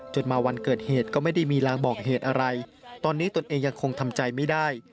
มาวันเกิดเหตุก็ไม่ได้มีรางบอกเหตุอะไรตอนนี้ตนเองยังคงทำใจไม่ได้